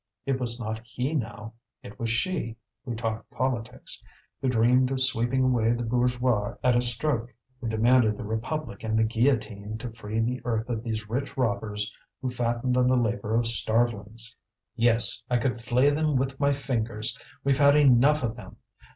It was not he now, it was she, who talked politics, who dreamed of sweeping away the bourgeois at a stroke, who demanded the republic and the guillotine to free the earth of these rich robbers who fattened on the labour of starvelings. "Yes, I could flay them with my fingers. We've had enough of them!